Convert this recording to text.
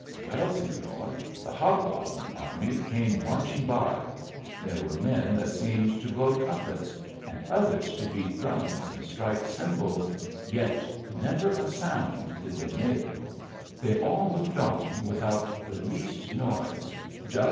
Well, Sefior, the hobgoblin army came marching by , there were men that seemed to blow trumpets, nnd others to beat drums and strike cymbals, }et never a sound did they make ; THE ALIIAMBEA they ail moved on without the least iioiac, just a.